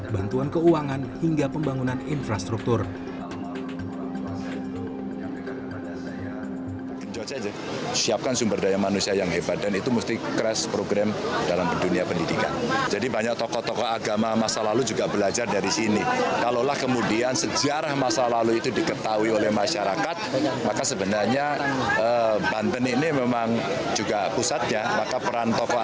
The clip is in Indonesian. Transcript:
bantuan keuangan hingga pembangunan infrastruktur